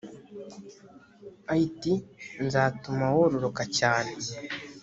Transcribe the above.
it nzatuma wororoka cyane